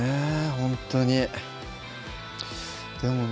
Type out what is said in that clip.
ほんとにでもね